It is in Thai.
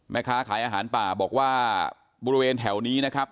แม่ค้าขายอาหารป่าบอกว่าบริเวณแถวนี้นะครับ